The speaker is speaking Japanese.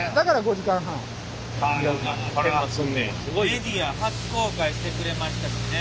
メディア初公開してくれましたしね